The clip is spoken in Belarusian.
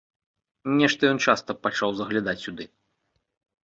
Нешта ён часта пачаў заглядаць сюды!